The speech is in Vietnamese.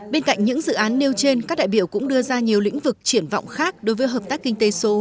bên cạnh những dự án nêu trên các đại biểu cũng đưa ra nhiều lĩnh vực triển vọng khác đối với hợp tác kinh tế số